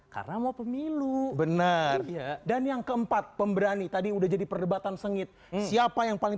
karena mau pemilu benar dan yang keempat pemberani tadi udah jadi perdebatan sengit siapa yang paling